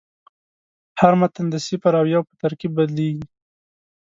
هر متن د صفر او یو په ترکیب بدلېږي.